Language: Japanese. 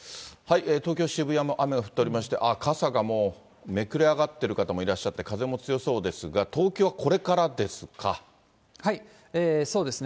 東京・渋谷も雨が降っておりまして、傘がもう、めくれ上がってる方もいらっしゃって、風も強そうですが、東京はそうですね。